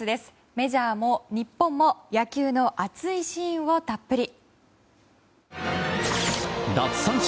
メジャーも日本も野球の熱いシーンをたっぷり。